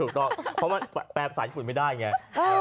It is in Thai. ถูกต้องเพราะว่าแปรบศักดิ์ภูมิไม่ได้เนี่ย